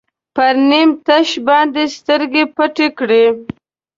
پر نیم تش باندې سترګې پټې کړئ.